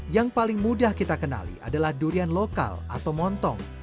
yang paling mudah kita kenali adalah durian lokal atau montong